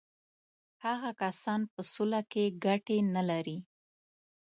هغه کسان په سوله کې ګټې نه لري.